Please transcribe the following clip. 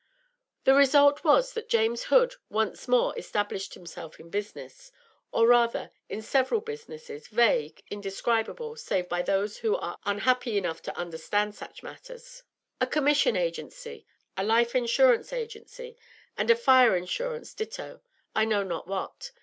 The result was that James Hood once more established himself in business, or rather in several businesses, vague, indescribable, save by those who are unhappy enough to understand such matters a commission agency, a life insurance agency and a fire insurance ditto, I know not what.